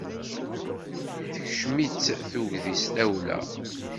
Tekcem-itt tudgi d tawla.